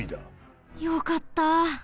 よかった！